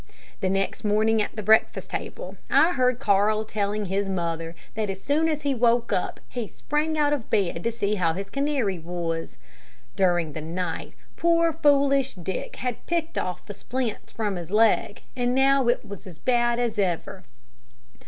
The next morning at the breakfast table, I heard Carl telling his mother that as soon as he woke up he sprang out of bed and went to see how his canary was. During the night, poor foolish Dick had picked off the splints from his leg, and now it was as bad as ever.